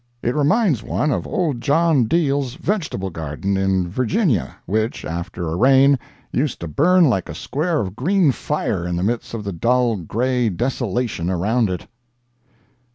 It reminds one of old John Dehle's vegetable garden in Virginia, which, after a rain, used to burn like a square of green fire in the midst of the dull, gray desolation around it.